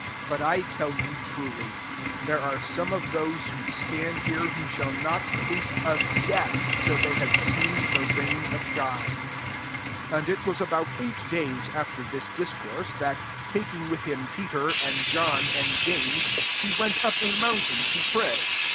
27 But I tell fom truly, There are someof thMs If ho stand here,, who abatt jk^ ti^e of death, till they haYese«i the reign of God*" 28 Ano it wan about et|^ days after this diacenrse, thnl^ taking with him Peter,, and John, and James, he went tm a mountain to pray.